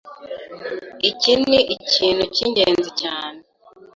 Iki ni ikintu cy’ingenzi cyane